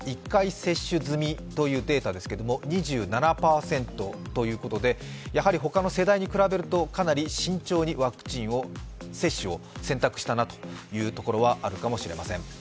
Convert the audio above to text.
１回接種済みというデータですが２７％ということで、他の世代に比べるとかなり慎重にワクチン接種を選択したなというところはあるかもしれません。